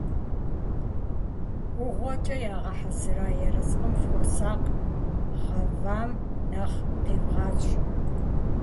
ӀугъуэкӀэ ягъэхьэзыра ерыскъым фыхуэсакъ, гъэвам нэхъ тевгъащӀэ.